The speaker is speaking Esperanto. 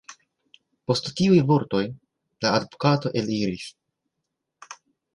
Post tiuj vortoj la advokato eliris.